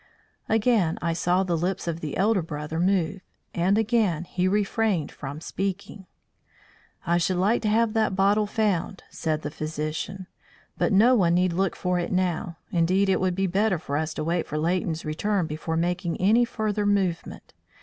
Again I saw the lips of the elder brother move, and again he refrained from speaking. "I should like to have that bottle found," said the physician; "but no one need look for it now. Indeed, it would be better for us to wait for Leighton's return before making any further movement.